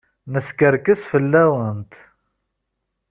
Neskerkes fell-awent.